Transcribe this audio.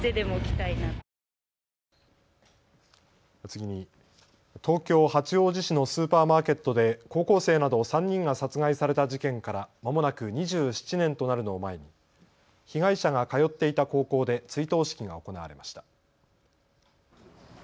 次に、東京八王子市のスーパーマーケットで高校生など３人が殺害された事件からまもなく２７年となるのを前に被害者が通っていた高校で追悼式が行われました。